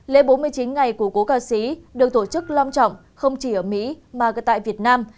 lễ bốn mươi chín ngày của cố ca sĩ được tổ chức long trọng không chỉ ở mỹ mà tại việt nam